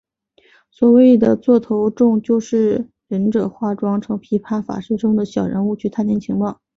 所谓的座头众就是忍者化妆成琵琶法师中的小人物去探听情报。